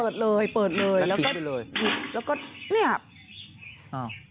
เปิดเลยเปิดเลยแล้วก็ไปเลยแล้วก็เนี่ยอ้าว